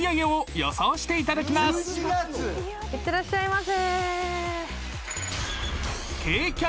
いってらっしゃいませ。